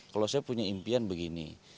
kalau saya punya impian begini